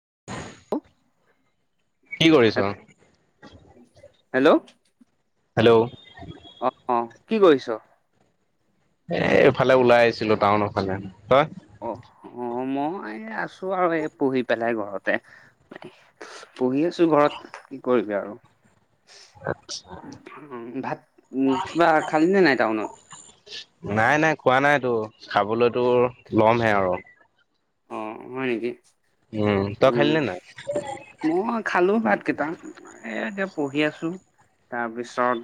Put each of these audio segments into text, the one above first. [unintelligible] কি কৰিছ hello hello hello অ কি কৰিছ এ এইফালে ওলাই আহিছিলো টাউনৰ ফালে তই অ অ মই আছো আৰু এই পঢ়ি পেলাই ঘৰতে পঢ়ি আছো ঘৰত কি কৰিবি আৰু। ভাত উম, কিবা খালিনে নাই টাউনত? নাই নাই খোৱা নাইতো, খাবলৈতো লমহে আৰু। অ হয় নেকি, উম তই খালি উম নে নাই? মই খালো ভাত। কিটা, এ এতিয়া পঢ়ি আছো, তাৰপিছত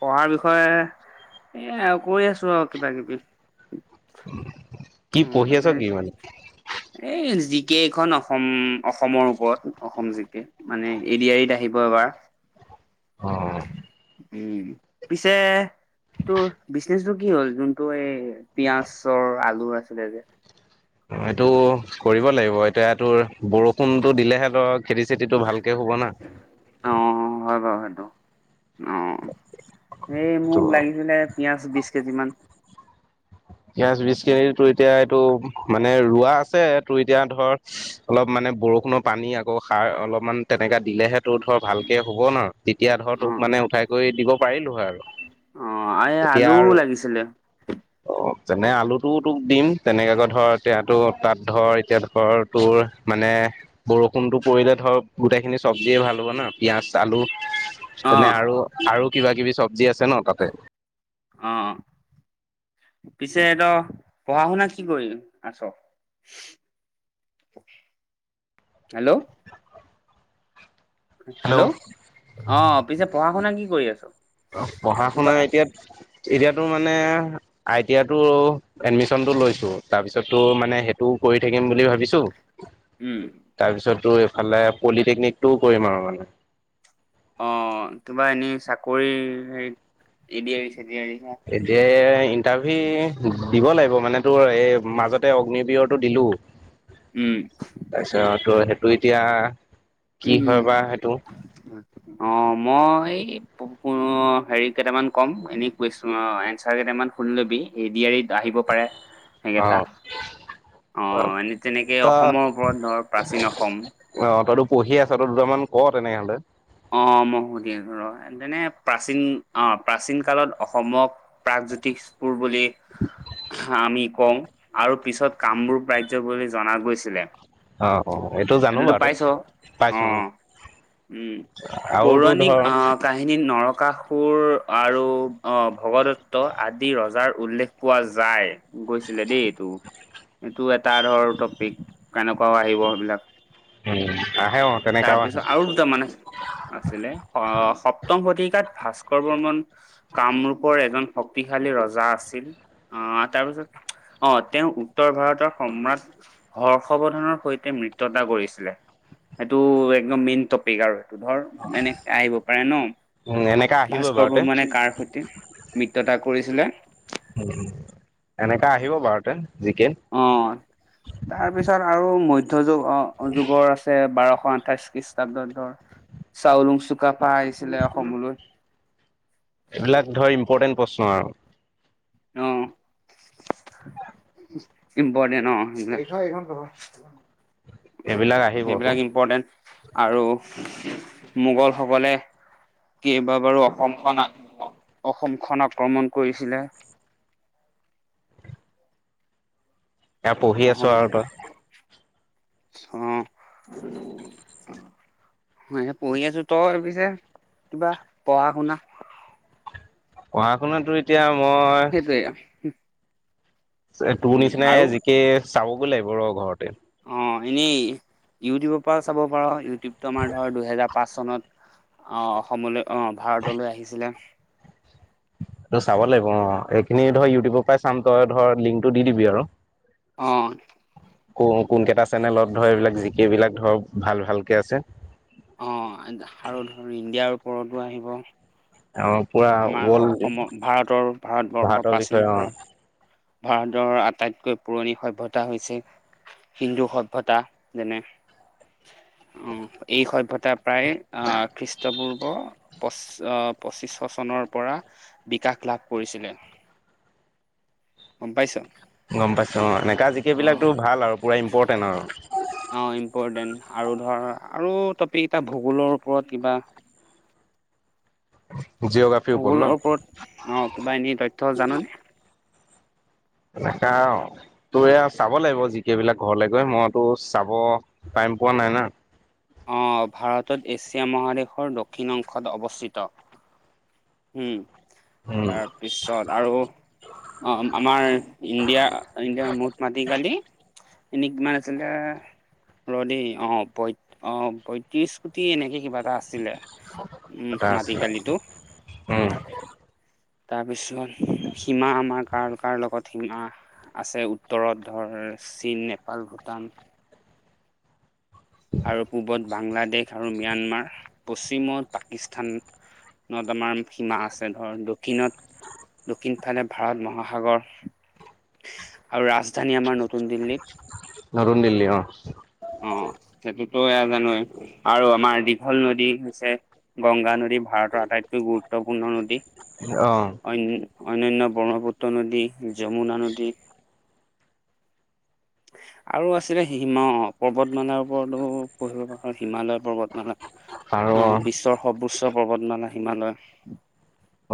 পঢ়াৰ বিষয়ে এ কৈ আছো আৰু কিবা কিবি। [unintelligible] উম পঢ়ি আছ এ, কি মানে? এ যি জি কেখন অসম অসমৰ ওপৰত, অসম জিকে, মানে এ ডি আৰ ই আহিব এবাৰ। [inaudible] অ। উম পিছে তোৰ বিজনেচটো কি হ'ল? যোনটো এ পিয়াজৰ আলুৰ আছিলে যে। এইটো কৰিব লাগিব, এতিয়া তোৰ বৰষুণটো দিলেহে ধৰক খেতি চেতিটো ভালকে হ'ব না। অ এ ত মোক লাগিছিলে, পিয়াজ বিছ কেজি মান। পিয়াঁজ বিছ কেজি তোৰ এতিয়া এইটো মানে ৰোৱা আছে, তোৰ এতিয়া ধৰ অলপ মানে বৰষুণৰ পানী, আকৌ সাৰ অলপমান তেনেকে দিলেহে তোৰ ধৰ ভালকে হ'ব ন। তেতিয়া ধৰ অ তোক মানে উঠাই কৰি দিব পাৰিলো হয় আৰু, অ এই এতিয়া আলুও আৰু লাগিছিলে অ যেনে আলুটোও তোক দিম, তেনেকৈ ধৰ, এতিয়াতো তাত ধৰ, এতিয়া ধৰ, তোৰ মানে এ বৰষুণটো পৰিলে ধৰ, গোটেইখিনি চবজি ভাল হ'ব ন পিয়াঁজ, আলু। অ তেনে আৰু, আৰু কিবা কিবি চবজি আছে ন তাতে। অ। পিছে এতিয়া পঢ়া শুনা কি কৰি আছ। হেল্ল, হেল্ল অ পিছে পঢ়া শুনা কি কৰি আছ পঢ়া শুনা কিবা, এতিয়া এতিয়াতো মানে আই টি আই তো এডমিশ্যন টো লৈছো তাৰপিছতটো মানে সেইটো কৰি থাকিম বুলি ভাবিছো উম তাৰ পিছতো এইফালে পলিটেকনিক টোও কৰিম আৰু [inaudible] অ কিবা এনেই চাকৰি হে এ দি আৰ ই চে দি আৰ ই ইণ্টাৰভি দিবা লাগিব মানে তোৰ এই মাজতে অগ্নিবয়ৰটো দিলো। উম তাৰপিছত তো সেইটো এতিয়া কি উম, হয় বা সেইটো হম, অ' মই এই অ' হেৰি কেইটামান কম এনেই কুৱেশনৰ এনচাৰ কেইটামান সুনি ল'বি এ দি আৰ ইত। আহিব পাৰে সেইকেইটা। অ'। অহ, অ', এনে তেনেকে তই অসমৰ ওপৰত ধৰ প্ৰাচীন অসম। সেইদুতা দুটামান ক তেনেহলে। অ' মে সুধি আছোঁ ৰ তেনে প্ৰাচীন অ প্ৰাচীন কালত অসমক প্ৰা জ্যোতিষপুৰ বুলি আমি কওঁ আৰু পিছত কামৰূপ ৰাজ্য বুলি জনা গৈছিলে। অ-অ এইটো জানো এইটোতো বাৰু পাইছ তে পাইছো উম। অ', উম পৌৰাণিক অ' কাহিনী। নৰকাসুৰ আৰু ভগদত্ত আদি ৰজাৰ উল্লেখ পোৱা যায়। গৈছিলে দেই এইটো এইটো এটা ধৰ টপিক কেনেকুৱাও আহিব সেইবিলাক। উম, আহে অ', তেনেকাও আহে তাৰপিছত আৰু দুটা মা‌ন আছে। আছিলে অ' সপ্তম শতি তাত ভাস্কৰ বৰ্মন কামৰূপৰ এজন শক্তিশালী ৰজা আছিল। অ' তাৰ পিছত অহ, তেওঁ উত্তৰ ভাৰতৰ সম্ৰাট হৰ্ষবৰ্ধনৰ সৈতে মিত্ৰতা কৰিছিলে। সেইটো একদম মেইন টপিক আৰু সেইটো ধৰ এনে আহিব পাৰে ন। উম, এনেকা আহিবই ভাস্কৰ বাৰুতে বৰ্মনে কাৰ সৈতে মিত্ৰতা কৰিছিলে? এনেকা আহিব বাৰুতে জিকে। অ তাৰপিছত আৰু মধ্যযুগ অ যুগৰ আছে বাৰশ শ আঠাইশ খ্ৰীষ্টাব্দ ধৰ চাউলুং চুকাফা আহিছিলে অসমলৈ। এইবিলাক ধৰ ইম্পৰ্টেণ্ট প্ৰশ্ন আৰু। অ। ইম্পৰ্টেণ্ট অ', এইবিলাক আহিব তোৰ সেইবিলাক ইম্পৰ্টেন্ট আৰু মোগল সকলে কেইবাবাৰো অসমখন অসমখন আক্ৰমণ কৰিছিলে। [inaudible] এয়া পঢ়ি আছো আৰু অসমখন তই। অ। পঢ়ি আছো তই পিছে কিবা পঢ়া শুনা‌ পঢ়া শুনাতো এতিয়া মই সেইটোয়ে তোৰ নিচিনাই জিকে চাবগৈ লাগিব ৰ ঘৰতে। অ' এনেই ইউটিউবৰ পৰা চাব পাৰো ইউটিউবতো আমাৰ ধৰ দুহেজাৰ পাঁচ চনত অহ অসমলৈ অহ ভাৰতলৈ আহিছিলে। তটো চাব লাগিব অ এইখিনি ধৰ ইউটিউবৰ পৰাই চাম তই ধৰ লিংকটো দি দিবি আৰু। অ। ক কোন কেইটা চেনেলত ধৰ এইবিলাক জিকেই জিবিলাক ধৰ ভাল ভালকে আছে। অ', আৰু ধৰ ইণ্ডিয়াৰ ওপৰতো আহিব। অ পুৰা আমাৰ ৱৰ্ল্ড অসমৰ ভাৰতৰ ভাৰতবৰ্ষৰ ভাৰতৰ প্ৰাচীন বিষয়ে অ ভাৰত ভাৰতৰ আটাইতকৈ পুৰণি সভ্যতা হৈছে। হিন্দু সভ্যয়তা যেনে উ এই সভ্যয়তা প্ৰায় আহ খ্ৰীষ্টপূৰ্ব পচ পঁচিশশ চনৰ পৰা বিকাশ লাভ কৰিছিলে গম পাইছ। গম পাইছো অ এনেকাা জিক অ', বিলাকো ভাল আৰু পুৰা ইম্পৰটেণ্ট অ আৰু। ইম্পৰ্টেণ্ট আৰু ধৰ আৰু টপিক এটা ভূগোলৰ ওপৰত কিবা। জিঅ'গ্ৰাফিৰ ওপৰত ভোগলৰ ন ওপৰত অ' কিবা এনে তথ্য জাননে এনেকা তোৰে আৰু চাব লাগিব জিকেই বিলাক ঘৰলে গৈ মইতো চাব পাৰিম। এম্পোৱা নাই না। অ' ভাৰতত এছিয়া মহাদেশৰ দক্ষিণ অংশত অৱস্থিত। উম উম তাৰপিছত আৰু অ' আমাৰ ইণ্ডিয়া ইণ্ডিয়াৰ মূঠ মাটি কালি এনে কিমান আছিলে ৰদেই অ অ পয়ত্ৰিশ কোটি এনেকে কিবা এটা আছিলে। উম এটা মাটি আছিলে কালিতো। উম। তাৰপিছত সীমা আমাৰ কাৰ কাৰ লগত সীমা। আছে উত্তৰত ধৰ চীন, নেপাল, ভূটান। আৰু পূবত বাংলাদেশ আৰু ম্যানমাৰ, পশ্চিমত পাকিস্তান। নতা আমাৰ সীমা আছে ধৰ দক্ষিণত দক্ষিণ ফালে ভাৰত মহাসাগৰ। আৰু ৰাজধানী আমাৰ নতুন দিল্লীত। নতুন দিল্লী অ'। তই জানই আৰু আমাৰ দীঘল নদী হৈছে। গংগা নদী ভাৰতৰ আটাইতকৈ গুৰুত্বপূৰ্ণ নদী। অহ। অন অন্যান্য ব্ৰহ্মপুত্ৰ নদী, যমুনা নদী। [unintelligible] আৰু আছিলে হিমা পৰ্বতমালাৰ ওপৰতো পঢ়িব পো হিমালয় পৰ্বতমালা। আৰু অ অহ বিশ্বৰ সৰ্বোচ্চ পৰ্বতমালা হিমালয়।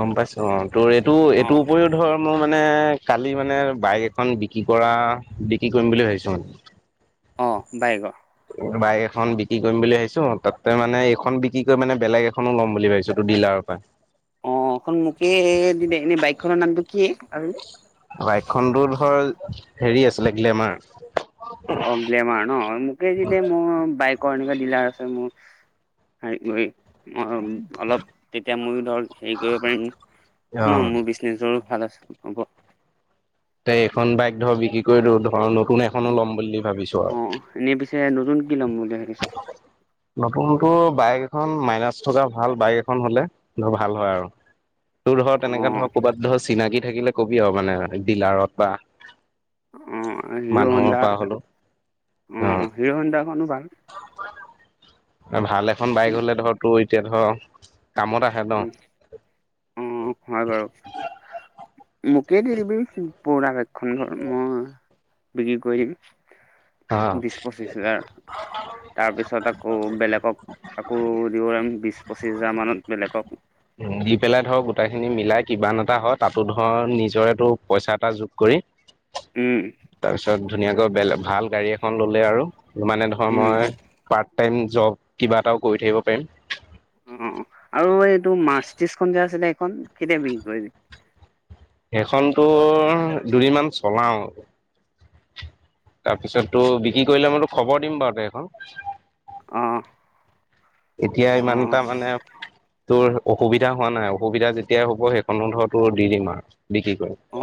গম পাইছো অ' তোৰ এইটো অ এইটোৰ উপৰিও ধৰ মোৰ মানে। কালি মানে বাইক এখন বিক্ৰী কৰা বিক্ৰী কৰিম বুলি ভাবিছো মানে। অ' বাইকৰ। বাইক এখন বিক্ৰী কৰিম বুলি ভাবিছো। তাতে মানে এখন বিক্ৰী কৰি মানে বেলেগ এখনো ল'ম বুলি ভাবিছো টো ডিলাৰ। পায়। অ' এখন মোকে, এনে বাইক খনৰ নামটো কি আৰু। বাইকখনতো ধৰ হেৰি আছিলে গ্লেমাৰ। অ' গ্লেমাৰ ন মোকে যে মোৰ বাইকৰ এনেকুৱা ডিলাৰ আছে মোৰ। [unintelligible] অ অলপ তেতিয়া ময়ো ধৰক হেৰি কৰিব পাৰিম অ ন মোৰ বিজনেচৰ [unintelligible] তে এইখন বাইক ধৰ বিক্ৰী কৰি দিওঁ ধৰ নতুন এখনো ল'ম বুলি ভাবিছো উ আৰু। এনে পিছে নতুন কি ল'ম বুলি ভাবিছ? নতুনতো বাইক খন মাইলেজ থকা ভাল বাইক এখন হ'লে ভাল হয় আৰু। তোৰ ধৰ অ তেনেকা ধৰ ক'ৰবাত ধৰ চিনাকি থাকিলে কবি আৰু মানে ডিলাৰত বা অ হিৰো মানুহৰ হণ্ডা পৰা হ'লেও অ হিৰো হণ্ডাখনো যাম। ভাল এখন বাইক হলে ধৰ তোৰ এতিয়া ধৰ কামত আহে ন উম উম হয় বাৰু। মোকেই দি দিবি পুৰণা বাইকখন উম বিক্ৰী কৰিম। অ বিশ পঁচিশ হাজাৰ। তাৰ পিছত আকৌ বেলেগক আকৌ দিব পাৰিম বিশ পঁচিশ হাজাৰ মানত। বেলেগক উম দি পেলাই ধৰক গোটাইখিনি মিলাই কিমান এটা হয় তাতো ধৰ নিজৰেটো পইচা এটা যোগ কৰি উম তাৰপিছত ধুনীয়াকৈ বেলেগ ভাল গাড়ী এখন ল'লে আৰু মানে ধৰ উম মই কাক পাৰ্ট টাইম জব কিবা এটাও কৰি থাকিব পাৰিম। অ আৰু এইটো মাৰ্চ ত্ৰিশখন যে আছিলে এইখন কেতিয়া বিক্ৰী কৰিবি? সেইখনতো দুদিনমান চলাওঁ। তাৰপিছতো বিক্ৰী কৰিলে মইতো খবৰ দিম বাৰু দে এখন। অ এতিয়া অ ইমানটা মানে তোৰ অসুবিধা হোৱা নাই অসুবিধা যেতিয়াই হ'ব সেইখনো ধৰ তোৰ দি দিম আৰু বিক্ৰী কৰি। অ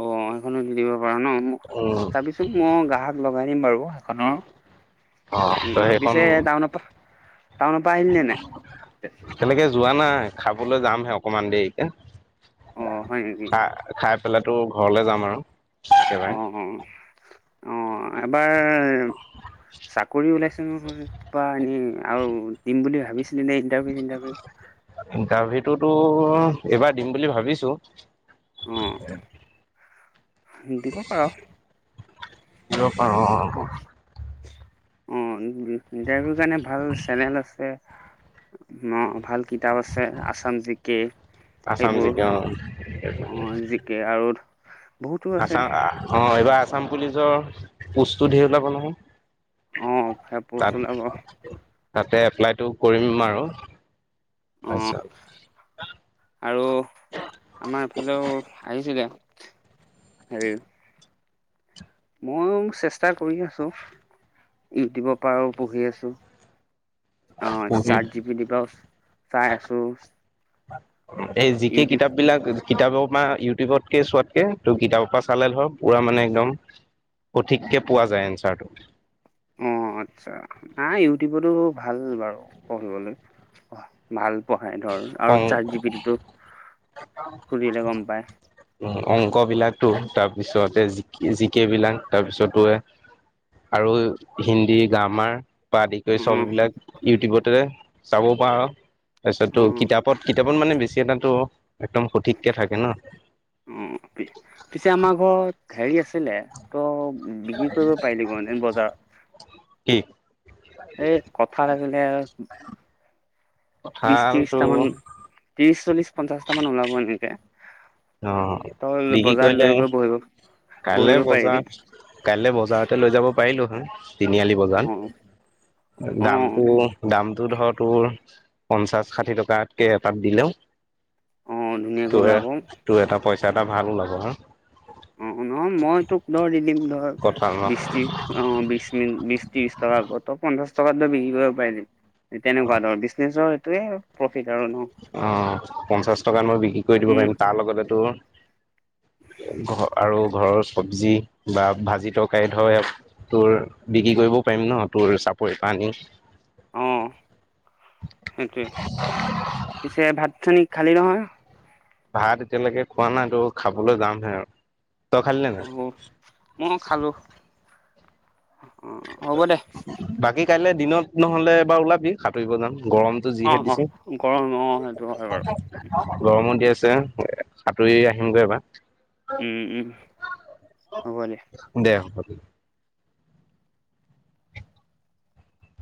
অ সেইখনো দি দিব পাৰ ন মোক উম চাবিচোন মই গ্ৰাহক লগ লগাই দিম বাৰু সেইখনৰ অ ত উম সেইখন পিছে টাউনৰ পৰা টাউনৰৰ পৰা আহিল নে নাই? তেনেকে যোৱা নাই খাবলৈ যামহে অকণমান দেৰিকে অ হয় নেকি খা খাই সেইফাল তোৰ ঘৰলৈ যাম আৰু একেবাৰে। উম এবাৰ চাকৰি ওলাইছে নহয় বা এনেই আৰু দিম বুলি ভাবিছিলি নে ইণ্টাৰভিউ চিণ্টাৰভিউ এইটোতো এবাৰ দিম বুলি ভাবিছো।। উম। দিব পাৰ। দিব পাৰ উম। অ ইণ্টাৰভিউ কাৰণে ভাল চেনেল আছে। ন ভাল কিতাপ আছে আছাম জিকে আছাম সেইবোৰ। জিকে অ জিকে আৰু বহুতো আছে আসাম অ এইবাৰ আসাম পুলিচৰ পোষ্টটো ধেই ওলাব নহয়। অ ভাল পষ্ট তাত ওলাব। তাতে এপ্লাইটো কৰিম আৰু আৰু তাৰপিছত আমাৰ এফালেও আহিছিলে হেৰি মইও চেষ্টা কৰি আছো ইউটিউবৰ পৰা পঢ়ি আছো অ পঢ়ি চাৰ্জ জি বি দি পৰা চাই আছো। এই জিকে ইউটিউব কিতাপ বিলাক- কিতাপৰ পৰা ইউটিউবতকে চোৱাতকে ত কিতাপৰ পৰা চালে ধৰ পুৰা মানে একদম- সঠিককে পোৱা যায় এনচাৰটো। অ আচ্ছা নাই ইউটিউবতো ভাল বাৰু পঢ়িবলৈ ভাল। পঢ়াই ধৰ আৰু চাৰ্জ জি বি টিতো উ অংক বিলাকটো তাৰ তাৰ পিছতে জিকি জিকে বিলাক তাৰপিছতো আৰু হিন্দী গ্ৰামাৰ আদি কৰি অ চব বিলাক ইউটিউবতে চাব পাৰো তাৰপিছত অ কিতাপত কিতাপ অকণ মানে বেছি এটাতো একদম সঠিককে থাকে ন অ পিছে আমাৰ ঘৰত হেৰি আছে- ছিলে ত' বিক্ৰী কৰিব পাৰিলি গজেন কি বজাৰ- এই কঠাল আাকিলে আৰু- বিশ কঁঠালটো ত্ৰিশটামান ত্ৰিশ চল্লিশ পঞ্চাশটা মান ওলাব এনেকে। অ তই বিক্ৰী বজাৰত কৰিলে। লৈ গৈ বহিব বহিব কাইলৈ পাৰিবি বজাৰ কাইলে বজাৰতে লৈ যাব পাৰিলো হয়। তিনিআলি বজাৰ অ', অ', দামটো দামটো ধৰ তোৰ পঞ্চাশ ষাঠি টকাতকে এটাত দিলেও অ ধুনীয়া তোৰ গোৰাবো তোৰ এটা পইচা এটা ভাল ওলব হা অ অ মই তোক ধৰ দি দিম ধৰ কঁঠাল ন বিশ ত্ৰিশ অ বিশ মিন বিশ ত্ৰিশ টকা আকৌ ত পঞ্চাশ বিক্ৰী কৰিব পাৰিলম তেনেকুৱা ধৰ বিজনেচৰ এইটোৱে আৰু ন অ পঞ্চাশ টকাত মই বিক্ৰী কৰি দিব উম, পাৰিম তাৰ লগতেতো [inaudible] ঘ আৰু ঘৰৰ চব্জি বা ভাজি তৰকাৰী ধ তোৰ বিক্ৰী কৰিব পাৰিম ন তোৰ চাপৰি পানী। অ', সেইটোৱে, পিছে ভাত-চানী খালী নহয়? ভাত এতিয়ালৈকে খোৱা নাই তো খাবলৈ যামহে আৰু। তই খালি নে নাই? অ', মই খালোঁ অ', হ'ব দে বাকী কাইলৈ দিনত নহ'লে এবাৰ ওলাবি সাঁতুৰিব যাম গৰমটো অ যিহে অ দিছে, গৰম অ সেইটো হয় বাৰু ‌গৰমো দি আছে তে, সাঁতুৰি আহিমগৈ এবাৰ উম, উম, হ'ব দে [unintelligible]